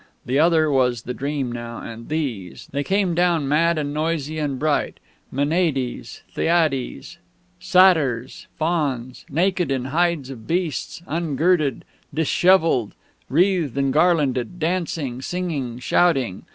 The other was the Dream now, and these!... they came down, mad and noisy and bright Maenades, Thyades, satyrs, fauns naked, in hides of beasts, ungirded, dishevelled, wreathed and garlanded, dancing, singing, shouting.